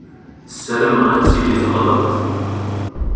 Ssarameɣ ad tili teɣleḍ.